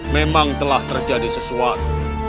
memang telah terjadi sesuatu